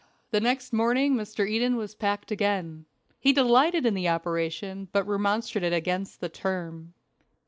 The next morning Mr. Eden was packed again. He delighted in the operation, but remonstrated against the term.